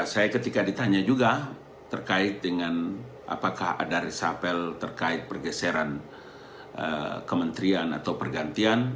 saya ketika ditanya juga terkait dengan apakah ada resapel terkait pergeseran kementerian atau pergantian